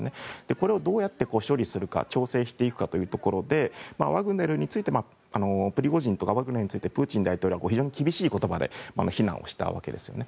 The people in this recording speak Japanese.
これをどうやって処理するか調整していくかということでプリゴジンとかワグネルについてプーチン大統領は非常に厳しい言葉で非難をしたわけですよね。